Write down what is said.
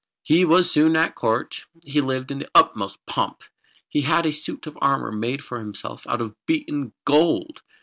He was soon at court. He lived in the utmost pomp. He had a suit of armour made for himself out of beaten gold.